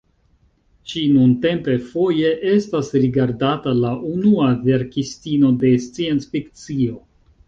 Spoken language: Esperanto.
Ŝi nuntempe foje estas rigardata la unua verkistino de sciencfikcio.